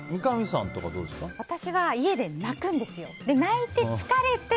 私は家で泣くんですよ。